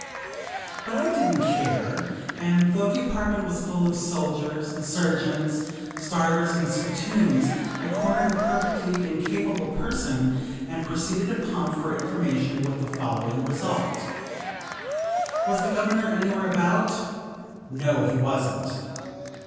But I didn't care; and, though the apartment was full of soldiers, surgeons, starers, and spittoons, I cornered a perfectly incapable person, and proceeded to pump for information with the following result: "Was the Governor anywhere about?" No, he wasn't.